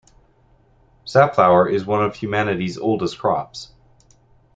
Safflower is one of humanity's oldest crops.